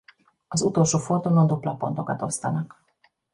Az utolsó fordulón dupla pontokat osztanak.